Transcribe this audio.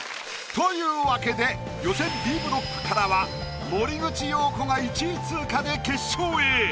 というわけで予選Ｂブロックからは森口瑤子が１位通過で決勝へ。